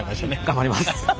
頑張ります！